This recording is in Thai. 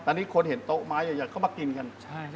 ตอนนี้คนเห็นโต๊ะไม้ใหญ่ก็มากินกัน